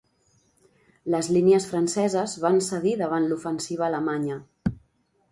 Les línies franceses van cedir davant l'ofensiva alemanya.